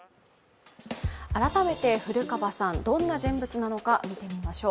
改めて古川さん、どんな実分なのか、見てみましょう。